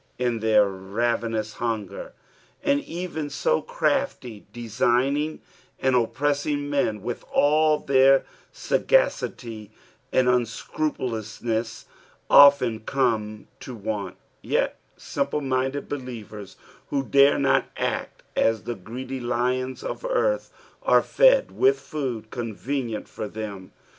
in their raven ous hunger, and even so crafty, designing, and oppressing men, with all their saffacity and unscrupulouxneBB, often come to want ; yet simple minded believers, who dare not act as the greedy lions of earth, are fed with food convenient for them.